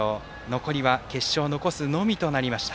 残りは決勝を残すのみとなりました。